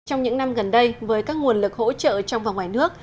trong những năm gần đây với các nguồn lực hỗ trợ trong và ngoài nước